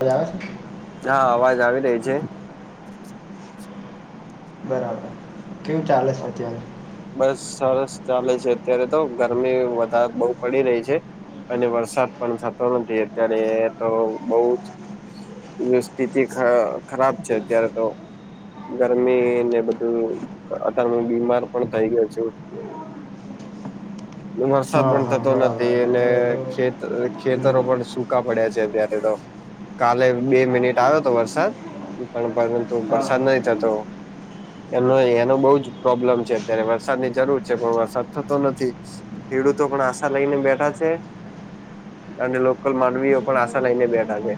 હરા.... હા અવાજ આવી રહી છે. બરાબર કેવું ચાલે છે. અત્યારે બસ સરસ ચાલે છે. અત્યારે તો ગરમી વધારે બહ પડી રહી છે. અને વરસાદ પણ થતો નથી. અત્યારે તો બહુ જ સ્થિતિ ખરાબ ચર્ચા તો. ગરમી ને બધું અતાર બીમાર. પણ થકી તો છે. વરસાદ હા પણ હા થતો બરાબર નથી. અને અત્યારે તો ખેત ખેતરો હમ. પણ શુ. કા પડ્યા છે અત્યારે કાલે બે મિનિટ તો વરસાદ. પણ પરંતુ હા વરસાદ હા નહી થતો. એનો એનો બહુ જ પ્રોબ્લમ છે. અત્યારે વરસાદની જરૂર છે. પણ વરસાદ થતો નથી. ખેડૂતો પણ આશા લઈને બેઠા છે. અને લોકલ માનવીઓ પણ આશા લઈને બેઠા છે.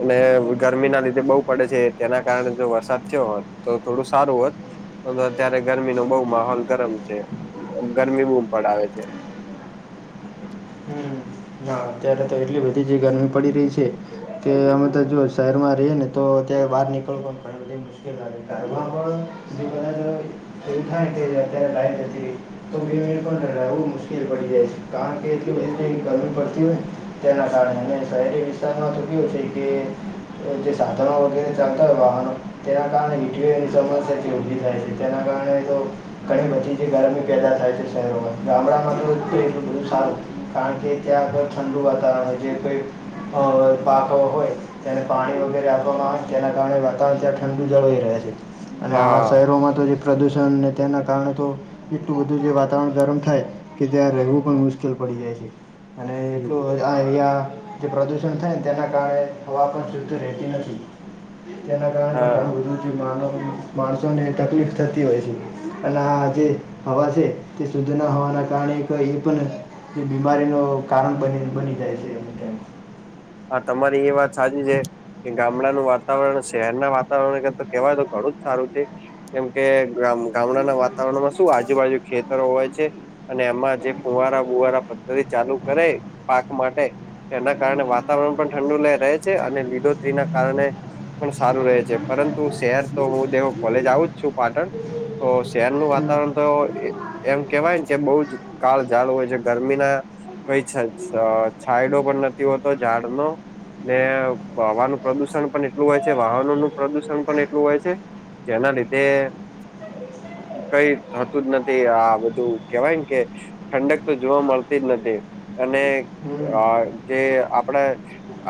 અને ગરમી ના લીધે બહુ પડે છે. તેના કારણે જો વરસાદ થયો હોત તો થોડું સારું હોત. અત્યારે ગરમી નો બહુ માહોલ ગરમ છે. ગરમી બહુ પડા આવે છે. હમ ના.... અત્યારે તો એટલી બધી જે ગરમી પડી રહી છે. કે અમે તો જો શહેરમાં રહીએ ને તો ત્યારે બહાર નીકળવું મુશ્કેલ આવે. એવું થાય કે અત્યારે લાઈટ જતી રહી. તો બે મિનિટ પણવું મુશ્કેલ પડી જાય છે. કારણ કે એટલી બધી પડે. તેના કારણે અ શહેરી વિસ્તારમાં ગયો છે. કે જે સાધનો વગેરે ચાલતા હોય વાહનો તેના કારણે ઠ એની સમસ્યા જે ઉભી થાય છે. તેના કારણે [inaudible] તો ઘણી બધી જે ગરમી પેદા થાય છે. શહેરોમાં ગામડામાં તો એટલું બધું સારું કારણ કે ત્યાં આગળ. ઠંડુ વાતાવરણ હતા. જે કઈ પાક હોય. તેને પાણી વગેરે આપવામાં આવે તેના કારણે વાતાવરણ તં ઠંડુ જળવાઈ રહ્યા છે. અને આવા હા. શહેરોમાં તો જે પ્રદુષણ તેના કારણે તો એટલું બધું જે વાતાવરણ ગરમ થાય કે જીયા રહેવું પણ મુશ્કેલ પડી જાય છે અને હમ એલું આ એરિયા જે પ્રદૂષણ થાય ને તેના કારણે હવા પણ જૂતી રહેતી નથી. તેના કારણે હા. પણ [unintelligible] મા માણસોને તકલીફ થતી હોય છે અને આ જે હવા છે તે શુદ્ધ ના હોવાના કારણે એ પણ બીમારી ન કારણ બને બની જાય છે [unintelligible] હા તમારી એ વાત સાચી છે કે ગામડાનું વાતાવરણ શહેરના વાતાવરણ કરતા કેહેવાય તો ઘણું જ સારું છે કેમ કે ગામડાના વાતાવરણમાં શું આજુબાજુ ખેતરો હોય છે અને એમાં જે ફુવારા બુવારા પદ્ધતિ ચાલુ કરે પાક માટે એના કારણે વાત વાતાવરણ પણ ઠંડુ રહે છે અને લીલોત્રીના કારણે પણ સારું રહે છે પરંતુ શહેર તો હું દેવ કોલેજ આવું જ છું પાટણ તો શહેરનું વાતાવરણ તો એમ કેવાય ને જે બઉ જ કાળઝાળ હોય છે ગરમીના કઈ છાયડો પણ નથી હોતો ઝાડનો ને હવાનું પ્રદુષણ પણ એટલું હોય છે વાહનો નું પ્રદુષણ પણ એટલું હોય છે જેના લીધે કઈ થતું જ નથી આ બધું કેવાય ને કે ઠંડક તો જોવા મળતી જ નથી અને હમ. જે આપડા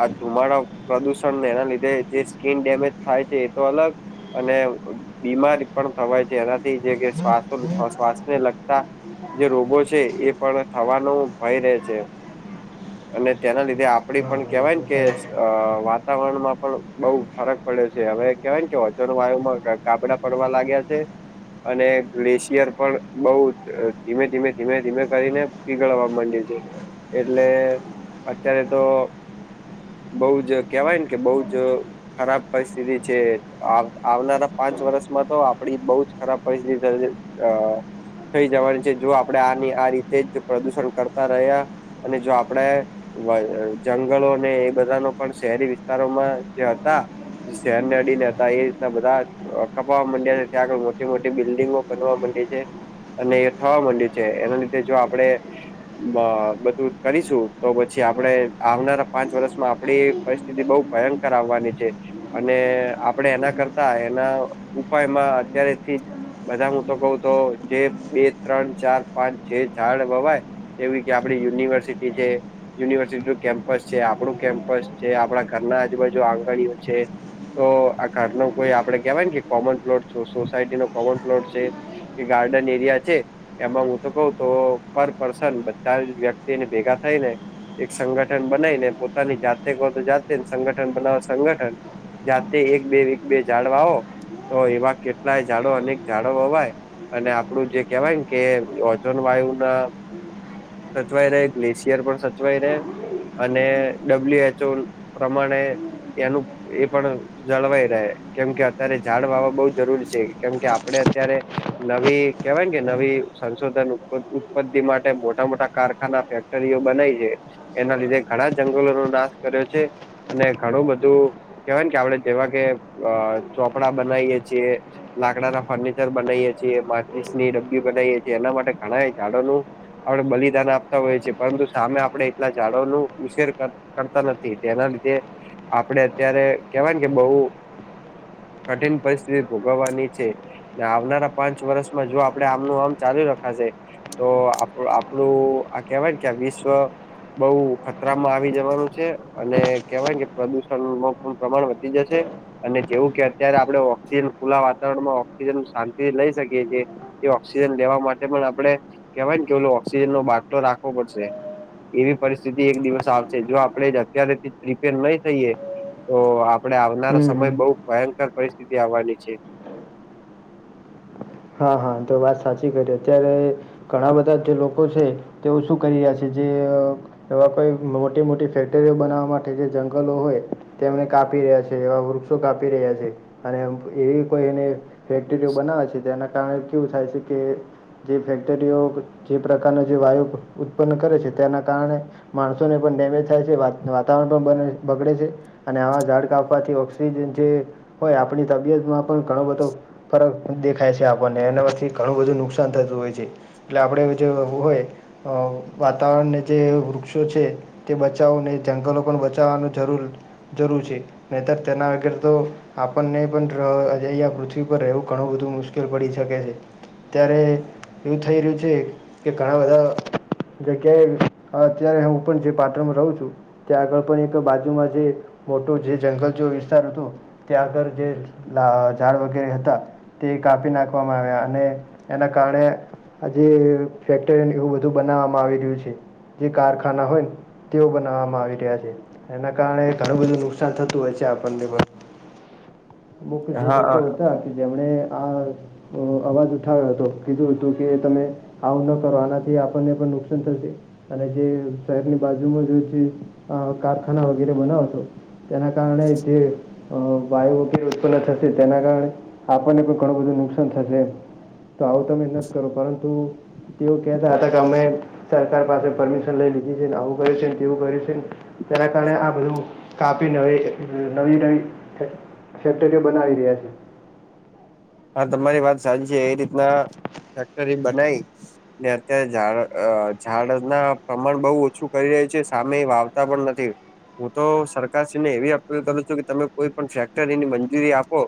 આ ધુમાડા પ્રદુષણને એના લીધે જે સ્કીિન ડેમેજ થાય છે એ તો અલગ અને બીમારી પણ થવાય છે એનાથી જે કે શ્વાસ હમ શ્વાસને લગતા જે રોગો છે એ પણ થવાનો ભય રહે છે અને તેના લીધે આપડી હા પણ હા એ કેહેવાય તો ને કે થાય જ. વાતાવરણમાં પણ બહુ ફરક પડ્યો છે હવે કેવાયને કે [unintelligible] વાયુ માં ગાબડા પડવા લાગ્યા છે. અને ગ્લેશિયર પણ બઉ ધીમે ધીમે ધીમે ધીમે કરીને પીગળવા માંડ્યું છે એટલે અત્યારે તો બઉ જ કેહેવાય ને કે બઉ જ ખરાબ પરિસ્થિતિ છે આવનારા પાંચ વર્ષમાં તો આપડી બહું જ ખરાબ પરિસ્થિતિ થ અ થઈ જવાની છે જો આપણે આની આ રીતે જ પ્રદુષણ કરતા રહ્યા અને જો આપણેે જંગલો ને એ બધાનો પણ શહેરી વિસ્તારોમાં જે હતા શહેરને અડીને હતા એ રીતના બધા કપાવા માંડ્યા છે ત્યાં આગળ મોટી મોટી બિલ્ડીિંગો બનવા માંડી છે અને એ થવા માંડ્યું છે એના લીધે જો આપડે બધું કરીશું તો આપણે આવનારા પાંચ વર્ષમાં આપડી પરિસ્થિતિ બહુ ભયંકર આવવાની છે અને આપણે એના કરતા એના ઉપાયમાં અત્યારેથી જ બધા હું તો કઉ તો જે બે ત્રણ ચાર પાંચ જે ઝાડ વવાય જેવી કે આપડી યુનિવર્સિટી છે યુનિવર્સિટીનું કેમ્પસ છે આપણું કેમ્પસ છે આપડા ઘરના આજુબાજુ આંગણિયું છે તો આ ઘાટનો કોઈ આપડે કહેવાઈ ને કે કોમન પ્લોટ છે સોસાયટી નો કોમન પ્લોટ છે કે ગાર્ડન એરિયા છે એમાં હું તો કઉ તો પર પર્સન બધા જ વ્યક્તિને ભેગા થાય ને એક સંગઠન બનાવી ને પોતાની જાતે તો જાતે ને સંગઠન બનાવવા સંગઠન જાતે એક-બે, એક-બે ઝાડ વાવો, તો એવા કેટલાય ઝાડો અનેક ઝાડો વવાય. અને આપણું જે કહેવાય ને કે ઓઝોન વાયુ ના સચવાઈ રહે, ગ્લેશિયર પણ સચવાઈ રહે. અને ડબલ્યુ એચ ઓ પ્રમાણે એનું એ પણ જળવાઈ રહે. કેમ કે અત્યારે ઝાડ વાવવા બહુ જરૂરી છે, કેમ કે આપણે અત્યારે નવી કહેવાય ને કે નવી સંશોધન ઉત્પત ઉત્પતદિ માટે મોટા-મોટા કારખાના ફેક ક્ટરીઓ બનાય છે. એના લીધે ઘણા જંગલોનો નાશ કર્યો છે. અને ઘણું બધું કહેવાય ને, કે આપણે જેવા કે અહ ચોપડા બનાઈએ છીએ લાકડાના ફર્નિચર બનાઈએ છીએ, માચીસ ની ડબ્બી બનાઈએ છીએ, એના માટે ઘણાંય ઝાડોનું આપણે બલિદાન આપતા હોઈએ છે. પરંતુ સામે આપ આપણે એટલા ઝાડોનું ઉછેર કર કરતા નથી. તેના લીધે આપણે અત્યારે કહેવાય ને કે બહુ કઠિન પરિસ્થિતિ ભોગવવાની છે. ને આવનારા પાંચ વર્ષમાં જો આપણે આમનું આમ ચાલુ રખાશે તો આપ આપણું આ કહેવાય ને કે આ વિશ્વ બઉ ખતરા માં આવી જવાનું છે. અને કહેવાય ને કે પ્રદુષણનું પણ પ્રમાણ વધી જશે. અને જેવું કે અત્યારે આપણે ઓક્સિજન ખુલ્લા વાતાવરણમાં ઓક્સિજન શાંતિથી લઈ શકીએ છીએ એ ઓક્સિજન લેવા માટે પણ આપણે કહેવાય ને કે ઓલું ઓક્સિજન નો બાટલો રાખવો પડશે. એવી પરિસ્થિતિ એક દિવસ આવશે. જો આપણે જ અત્યારેથી નહીં થઈએ, તો આપ પણે આવનારા હમ સમય હમ. બહુ ભયંકર પરિસ્થિતિ આવવાની છે. હા, હા. એ તો સાચી કરી. અત્યારે ઘણા બધા જે લોકો છે, તેઓ શું કરી રહ્યા છે, જે અહ એવા કોઈ મોટી-મોટી ફેક્ટરીઓ બનાવવા માટે જે જંગલો હોય તેમને કાપી રહ્યા છે, એવા વૃક્ષો કાપી રહ્યા છે. અને એવી કોઈ એને ફેક્ટરીઓ બનાવે છે, તેના કારણે કેવું થાય છે કે જે ફેક્ટરીઓ, જે પ્રકારનો જે વાયુ ઉત્પન્ન કરે છે, તેના કારણે માણસોને પણ ડેમેજ થાય છે, વાત વાતાવરણ પણ બન બગડે છે. અને આવા ઝાડ કાપવાથી ઓક્સિજન જે હોય, આપણી તબિયતમાં પણ ઘણો બધો ફરક દેખાય છે આપણને. એનામાંથી ઘણું બધું નુકસાન થતું હોય છે. એટલે આપણે જેવું હોય અહ વાતાવરણને જે વૃક્ષો છે તે બચાવોને જંગલો પણ બચાવવાનું જરૂર-જરૂર છે. નહીંતર તેના વગર તો આપણને પણ [unintelligible] પૃથ્વી પર રહેવું ઘણું બધું મુશ્ કેલ પડી શકે છે. ત્યારે એવું થઈ રહ્યું છે, કે ઘણા બધા જગ્યાએ અત્યારે હું પણ જે પાટણમાં રહું છું ત્યાં આગળ પણ એક બાજુમાં જે મોટો જે જંગલ જેવો વિસ્તાર હતો ત્યાં આગળ જે લા ઝાડ વગેરે હતા તે કાપી નાખવામાં આવ્યા. અને એના કારણે આ જે ફેક્ટરી ને એવું બધું બનાવવામાં આવી રહ્યું છે. જે કારખાના હોયન તેઓ બનાવવામાં આવી રહ્યા છે. એના કારણે ઘણું બધું નુકસાન થતું હોય છે આપણને પણ. અમુક જે હા લોકો હતા, કે જેમને આ અહ અવાજ ઉઠાવ્યો હતો, કીધું હતું કે તમે આવું ન કરો, આનાથી આપણને પણ નુકસાન થશે. અને જે શહેરની બાજુમાં [unintelligible] અહ કારખાના વગેરે બનાવશો તેના કારણે જે અહ વાયુ ખીણ ઉત્પન્ન થશે. તેના કારણે આપણને પણ ઘણું બધું નુકસાન થશે. તો આવું તમે નથ કરો પરંતુ, તેઓ કેતા હતા કે અમે સરકાર પાસે પરમિશન લઇ લીધી છે, ને આવું કર્યું છે, તેવું કર્યું છે, તેના કારણે આ બધું કાપી ને નવી નવી, ફેક્ટરી બનાવી રહ્યા છે. હા તમારી વાત સાચી છે, આ રીતના ફેક્ટરી બનાઈ, ને અત્યારે ઝાડ અ ઝાડ ના પ્રમાણ બહુ ઓછું કરી રહ્યા છે, ને સામે વાવતા પણ નથી. હું તો સરકારશ્રીને એવી અપીલ કરું છું, કે તમે કોઈ પણ ફેક્ટરીની મંજૂરી આપો.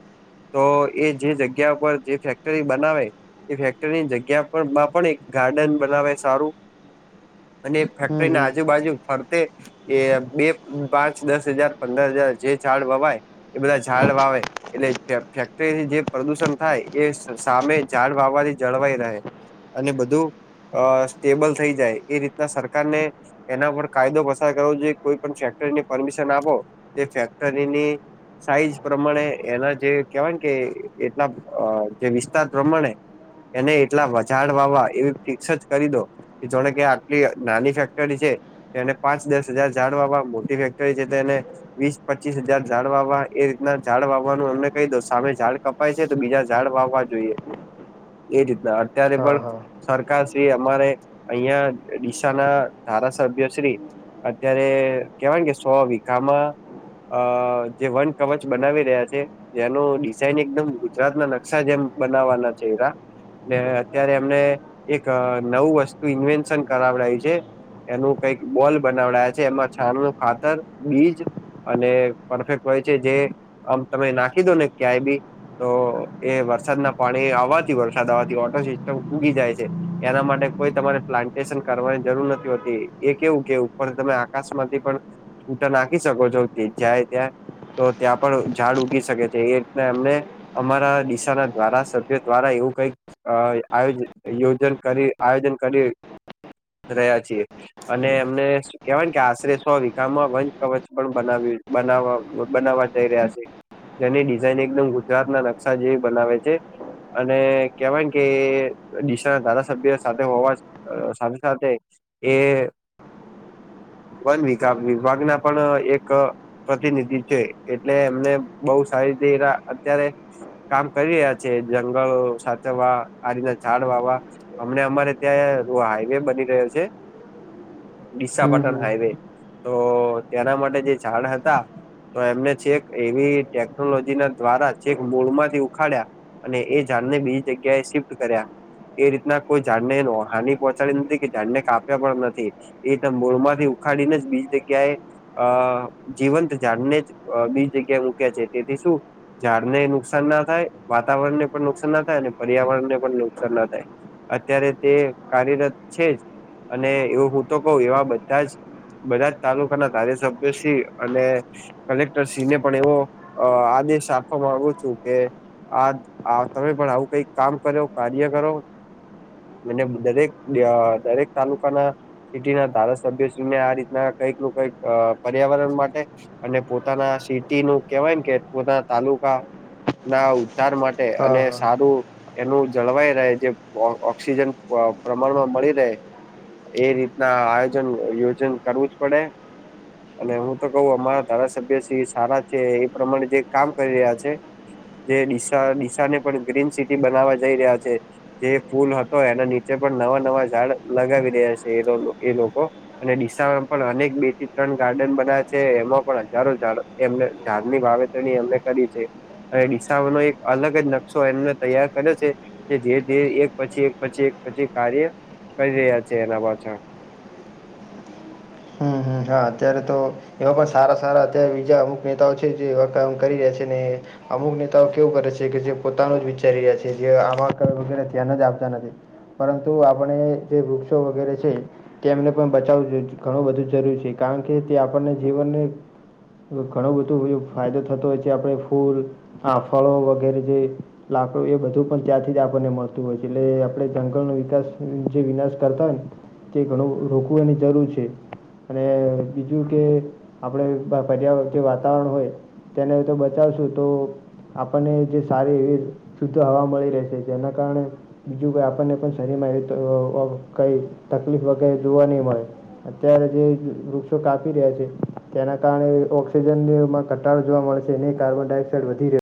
તો એ જે જગ્યા પર જે ફેક્ટરી બનાવે, એ ફેક્ટરીની જગ્યા પર મ પણ એક ગાર્ડન બનાવે, સારુ, અને એ હમ ફેક્ટરી ના હમ આજુબાજુ ફરતે, એ બે પાંચ દસ હજાર પંદર હજાર જે ઝાડ વવાય, એ બધા ઝાડ વાવે એલે ફે ફેક્ટરી ની જે, પ્રદૂષણ થાય, એ સામે ઝાડ વાવવા થી જળવાઈ રહે, અને બધું, આ સ્ટેબલ થઈ જાય, એ રીતના સરકારને, એના પર કાયદો પસાર કરવો જોઈએ કોઈ પણ ફેક્ટરીની પરમિશન આપો તે ફેક્ટરીની સાઈઝ પ્રમાણે એના જે કેવાય કે એટલા અ જે વિસ્તાર પ્રમાણે એને એટલા વ ઝાડ વાવા એવી ફિક્સ જ કરી દો જોણે કે આટલી નાની ફેક્ટરી છે એને પાંચ દસ હજાર જાઝાડ વા મોટી ફેક્ટરી છે તે એને વીસ પચીસ હજાર ઝાડ વાવ એ રીતના ઝાડ વાવવાનું એમને કહી દઉ સામે ઝાડ, કપાય છે તો બીજા ઝાડ વાવવા જોઈએ એ રીત ના અત્યારે હા પણ હા સરકાર શ્રી અમારે અહિયાં ડીશા ના ધારાસભ્ય શ્રી અત્યારે કેવાય કે સો વીઘામાં અ જે વન કવચ બનાવી રહ્યા છે એનો [unintelligible] ન એકદમ ગુજરાત ના નકશા જેમ બનાવવાના ચહેરા અત્યારે એમને એક નવું વસ્તુ ઇન્વેન્શન કરાવડાયું છે. એનું કંઈક બોલ બનાવડાયા છે એમાં છાન નું ખાતર, બીજ અને પરફેક્ટ હોય છે જે આમ તમે નાખી દો ને ક્યાંય બી તો એ વરસાદના પાણી આવવાથી વરસાદ આવવાથી ઓટો સિસ્ટમ ઉગી જાય છે. એના માટે કોઈ તમારે પ્લાન્ટેશન કરવાની જરૂર નથી હોતી એ કેવું કે ઉપર તમે આકાશ માં થી પણ છૂટા નાખી શકો છો જાય ત્યાં તો ત્યાં પણ ઝાડ ઉગી શકે છે એ એમને અમારા દિશા ના ધારા સભ્ય દ્વારા એવું કઈક અ આયોજયોજન કરી આયોજન કરી રહ્યા છીએ. અને એમને કેવાય કે આશરે સો વીઘામાં વંન કવચ પણ બનાવ્યું બના બનાવવા જઈ રહ્યા છે. જેની ડિઝઇન એકદમ ગુજરાત ના નકશા જેવી બનાવે છે. અને કેવાયને કે ડીશા ના ધારાસભ્ય સાથે હોવા સાથે સાથે એ વન વિગા વિભાગના પણ એક પ્રતિનિધિ છે એટલે એમને બહુ સારી રીતે અત્યારે કામ કરી રહ્યા છે જંગલો સાચવવા આ રીતના ઝાડ વાવા અમને અમારે ત્યાં હાઈવે બની રહ્યો છે હમ ડીશાપાટણ હમ હાઈવે તો ત્યાં ના માટે જે ઝાડ હતા તો એમને છેક એવી ટેક કનોલોજી ના દ્વારા ચેક મોળમાંથી ઉખાડ્યા અને એ ઝાડ ને બીજી જગ્યાએ શિફ્ટ કર્યા એ રીતના કોઈ ઝડને હાની પહોચાડી નથી કે ઝાડ ને કાપ્યા પણ નથી. એ તો મોળમાંથી ઉખાડીને જ બીજી જગ્યાએ અહ જીવંત જાણને જ અહ બી જગ્યા મૂક્યા છે તેથી શું ઝાડ ને નુકસાન ના થાય વાતાવરણ ને પણ નુકસાન ના થાય અને પર્યાવરણ ને પણ નુકસાન ના થાય. અત્યારે તે કાર્યરત છે જ અને એવું હું તો કહું એવા બધા જ બધાજ તાલુકાના ધારાસભ્ય શ્રી અને કલેક્ટરશ્રીને પણ એવો અહ આદેશ આપવા માંગુ છું કે આ આ તમે પણ આવું કઈ કામ કર્યો કાર્ય કરો મને દરેક અહ દરેક તાલુકાના સિટી ના ધારાસભ્યશ્રીને આ રીતના કંઈક નું કઈક અહ પર્યાવરણ માટે અને પોતાના સિટી નું કેવાય કે પોતાના તાલુકા ના ઉધાર માટે હા અને હા સારું એનું જળવાઈ રહે જે ઓ ઓક્સિજન પ પ્રમાણમાં મળી રહે એ રીતના આયોજન યોજન કરવું પડે. અને હું તો કઉું અમારા ધારાસભ્ય શ્રી સારા છે એ પ્રમાણે જે કામ કરી રહ્યા છે જે ડીશા ડીશા ને પણ ગ્રીન સિટી બનાવવા જઈ રહ્યા છે. જે ફૂલ હતો એના નીચે પણ નવા નવા ઝાડ લગાવી રહ્યા છે એ લો એ લોકો. અને ડીસામાં પણ અનેક બે થી ત્રણ ગાર્ડન બનાયા છે, એમાં પણ હજારો ઝાડ એમને ઝાડની વાવેતર ને એમને કરી છે. અને ડીસાવાનો એક અલગ જ નકશો એમને તૈયાર કર્યો છે જે ધીરે ધીરે એક પછી એક પછી એક પછી કાર્ય કરી રહ્યા છે, એના પાછળ. હમ્મ હા અત્યારે તો એવા પણ સારા સારા અત્યારે બીજા અમુક નેતાઓ છે, જેવા કામ કરી રહ્યા છે ને અમુક નેતાઓ કેવું કરે છે, કે જે પોતાનું જ વિચારી રહ્યા છે, જે આમાં વગેરે ધ્યાન જ આપતા નથી. પરંતુ આપણે જે વૃક્ષો વગેરે છે, તે એમને પણ બચાવું જોઈ ઘણું બધુંજ જરૂર છે, કારણ કે તે આપણને જીવનને ઘણું બધું ફાયદો થતો હોય છે, આપડે ફૂલ આ ફળો વગેરેજે લાકડું એ બધું પણ ત્યાંથી જ આપણને મળતું હોય છે, એટલે આપણે જંગલનો વિકાસ જે વિનાશ કરતા હોયને તે ઘણું રોકવું એની જરૂર છે, અને બીજું કે આપણે જ્યાં જે વાતાવરણ હોય તેને તો બતાવશું તો આપણને જે સારી એવી શુદ્ધ હવા મળી રહેશે, જેના કારણે બીજું આપણને પણ શરીરમાં એ અહ અહ કંઈ તકલીફ વગેરે જોવા નહીં મળે. અત્યારે જે વૃક્ષો કાપી રહ્યા છે, તેના કારણે ઓક્સિજનમાં ઘટાડો જોવા મળેશે નહીં કાર્બનડાયોક્સ તે વધી રહી